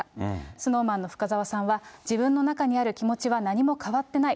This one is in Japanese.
ＳｎｏｗＭａｎの深澤さんは、自分の中にある気持ちは何も変わってない。